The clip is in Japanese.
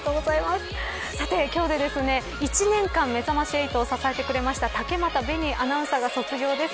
さて、今日で１年間めざまし８を支えてくれました竹俣紅アナウンサーが卒業です。